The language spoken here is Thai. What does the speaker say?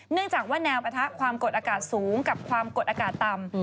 เนื่องจากว่าแนวปะทะความกดอากาศสูงกับความกดอากาศต่ำ